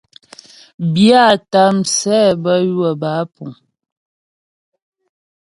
Byâta msɛ bə́ ywə̌ bə́ á puŋ.